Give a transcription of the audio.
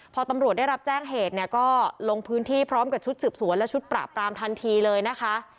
พอตำรวจได้รับแจ้งเหตุเนี่ยก็ลงพื้นที่พร้อมกับชุดสืบสวนและชุดปราบปรามทันทีเลยนะคะ